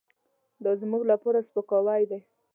دازموږ لپاره سپکاوی دی .